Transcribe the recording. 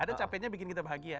ada yang capeknya bikin kita bahagia